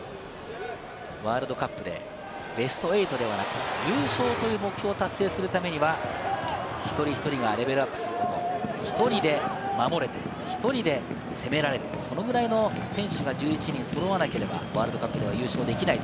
ワールドカップでベスト８ではなく、優勝という目標を達成するためには、一人一人がレベルアップすること、１人で守れて、１人で攻められる、そのぐらいの選手が１１人揃わなければワールドカップでは優勝できない。